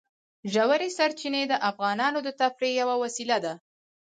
ژورې سرچینې د افغانانو د تفریح یوه وسیله ده.